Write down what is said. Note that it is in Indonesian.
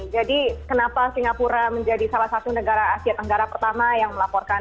jadi kenapa singapura menjadi salah satu negara asiat anggara pertama yang melaporkan